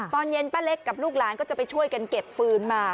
ตอนเย็นป้าเล็กกับลูกหลานก็จะไปช่วยกันเก็บฟืนมา